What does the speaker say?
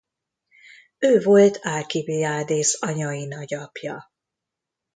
Ő volt Alkibiadész anyai nagyapja.